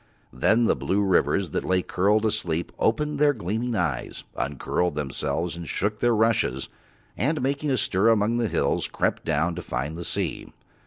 Then the blue rivers that lay curled asleep opened their gleaming eyes, uncurled themselves and shook their rushes, and, making a stir among the hills, crept down to find the sea.